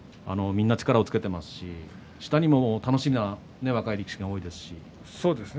みんな力をつけていますし下にも若い力士が多いですね。